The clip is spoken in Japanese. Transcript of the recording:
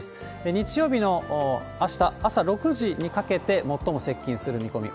日曜日のあした朝６時にかけて最も接近する見込み。